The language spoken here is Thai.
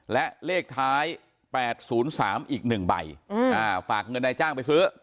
และเลขท้าย๘๐๓อีก๑ใบฝากเงินนายจ้างไปซื้อ